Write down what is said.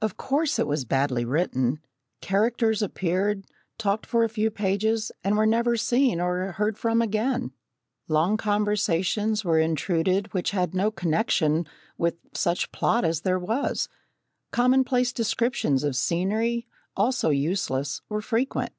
Of course it was badly written. Characters appeared, talked for a few pages, and were never seen or heard from again. Long conversations were intruded which had no connection with such plot as there was. Commonplace descriptions of scenery, also useless, were frequent.